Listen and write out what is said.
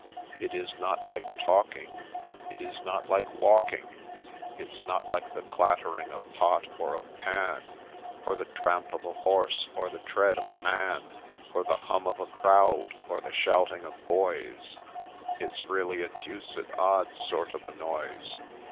— It is not like Talking, It is not like Walking, It 's not like the clattering of pot or of pan, Or the tramp of a horse, — or the tread of a man, — Or the hum of a crowd, — or the shouting of boys, — It 's really a deuced odd sort of a noise